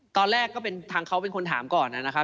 ตอนแรกก็เป็นทั้งเขาเป็นคนถามก่อนนะครับ